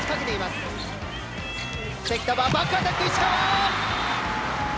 バックアタック、石川！